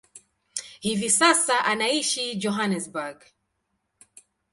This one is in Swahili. Hivi sasa anaishi Johannesburg.